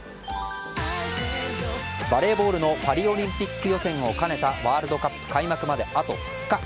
バレーボールのパリオリンピック予選を兼ねたワールドカップ開幕まであと２日。